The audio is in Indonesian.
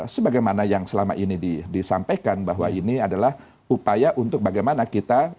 sebagaimana yang selama ini disampaikan bahwa ini adalah upaya untuk bagaimana kita